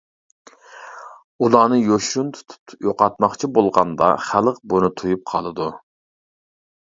ئۇلارنى يوشۇرۇن تۇتۇپ يوقاتماقچى بولغاندا خەلق بۇنى تۇيۇپ قالىدۇ.